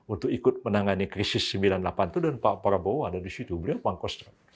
untuk ikut menangani krisis sembilan puluh delapan itu dan pak prabowo ada di situ beliau pangkostrat